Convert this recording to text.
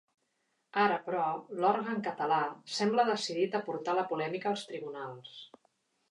Ara, però, l’òrgan català sembla decidit a portar la polèmica als tribunals.